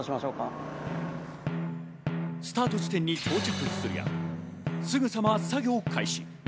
スタート地点に到着するや、すぐさま作業開始。